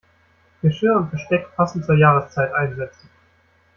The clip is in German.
Geschirr und Besteck passend zur Jahreszeit einsetzen.